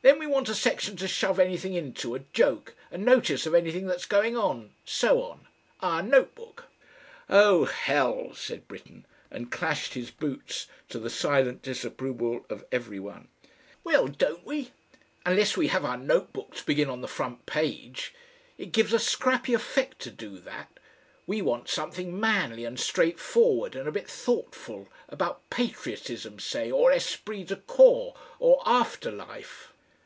Then we want a section to shove anything into, a joke, a notice of anything that's going on. So on. Our Note Book." "Oh, Hell!" said Britten, and clashed his boots, to the silent disapproval of every one. "Then we want an editorial." "A WHAT?" cried Britten, with a note of real terror in his voice. "Well, don't we? Unless we have our Note Book to begin on the front page. It gives a scrappy effect to do that. We want something manly and straightforward and a bit thoughtful, about Patriotism, say, or ESPRIT DE CORPS, or After Life."